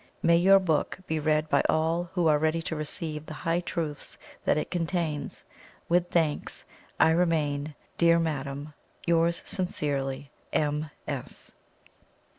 May your book be read by all who are ready to receive the high truths that it contains! With thanks, I remain, dear Madam, "Yours sincerely, M.